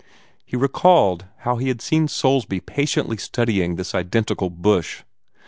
He recalled how he had seen Soulsby patiently studying this identical bush.